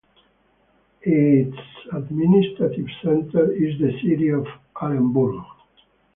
Its administrative center is the city of Orenburg.